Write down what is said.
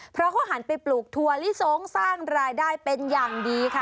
เพราะเขาหันไปปลูกถั่วลิสงสร้างรายได้เป็นอย่างดีค่ะ